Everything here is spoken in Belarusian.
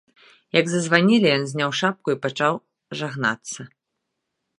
Як зазванілі, ён зняў шапку і пачаў жагнацца.